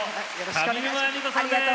上沼恵美子さんです。